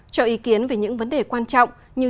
cho ý kiến về những vấn đề quan trọng như